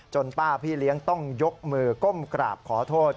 ป้าพี่เลี้ยงต้องยกมือก้มกราบขอโทษ